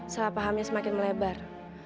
salah pahamnya semakin melebar